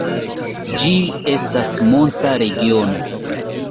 Ĝi estas monta regiono.